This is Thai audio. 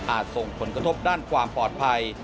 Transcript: ส่งผลกระทบด้านความปลอดภัย